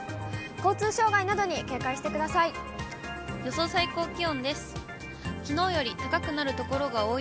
交通障がいなどに警戒してください。